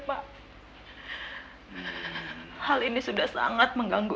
tidak bisa tidur lagi setelahnya